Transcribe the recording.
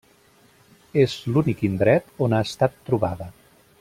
És l'únic indret on ha estat trobada.